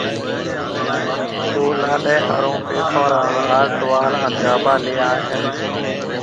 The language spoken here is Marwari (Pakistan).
او لاڏَي ھارو پيسون را ھار، ٽوال ھان گاڀا ليائيَ ھيَََ